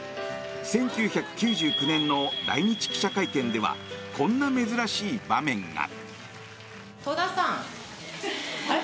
１９９９年の来日記者会見ではこんな珍しい場面が。